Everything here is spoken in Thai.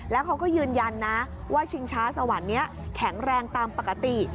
แล้วเขาก็ยืนยันนะว่าชิงช้าสวรรค์นี้แข็งแรงตามปกติ